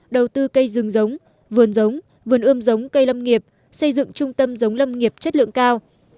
đầu tư cây rừng giống vườn giống vườn ươm giống cây lâm nghiệp xây dựng trung tâm giống lâm nghiệp chất lượng cao